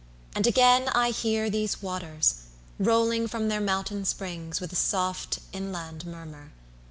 and again I hear These waters, rolling from their mountain springs With a soft inland murmur.